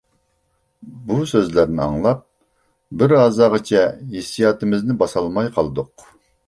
بۇ سۆزلەرنى ئاڭلاپ، بىر ھازاغىچە ھېسسىياتىمىزنى باسالماي قالدۇق.